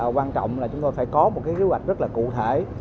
quan trọng là chúng tôi phải có một kế hoạch rất cụ thể